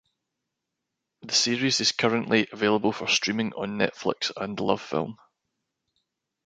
The series is currently available for streaming on Netflix and LoveFilm.